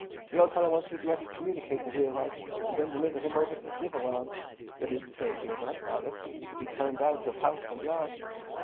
The old fellow wants me to excommunicate the wheelwright, and then deliver him over to the civil arm—that is to say, to your grandfather—to be turned out of house and yard.